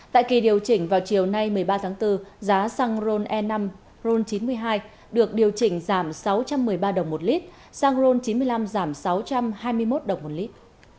tại kỳ điều chỉnh vào chiều nay một mươi ba tháng bốn giá xăng ron e năm ron chín mươi hai được điều chỉnh giảm sáu trăm một mươi ba đồng một lít xăng ron chín mươi năm giảm sáu trăm hai mươi một đồng một lít